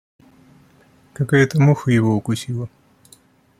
Какая-то муха его укусила.